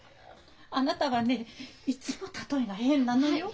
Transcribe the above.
あなたはねいつもたとえが変なのよ。